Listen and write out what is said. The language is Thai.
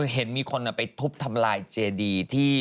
เห็นมีคนไปทุบทำลายเจดีที่